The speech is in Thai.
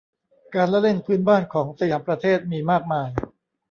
การละเล่นพื้นบ้านของสยามประเทศ มีมากมาย